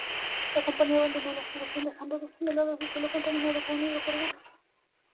La compañía abandonó la exploración dejando dos toneladas de suelo contaminado con hidrocarburos.